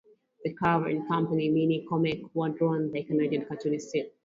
The cover and accompanying mini-comic were drawn by Canadian cartoonist Seth.